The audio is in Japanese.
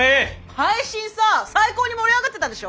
配信さ最高に盛り上がってたでしょ？